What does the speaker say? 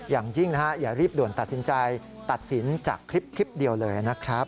อย่างยิ่งนะฮะอย่ารีบด่วนตัดสินใจตัดสินจากคลิปเดียวเลยนะครับ